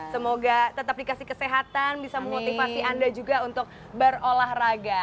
semoga tetap dikasih kesehatan bisa memotivasi anda juga untuk berolahraga